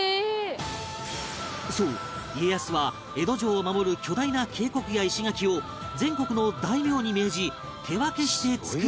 そう家康は江戸城を守る巨大な渓谷や石垣を全国の大名に命じ手分けして造らせていた